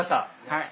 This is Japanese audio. はい。